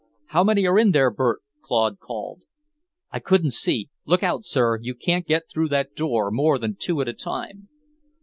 "How many are in there, Bert?" Claude called. "I couldn't see. Look out, sir! You can't get through that door more than two at a time!"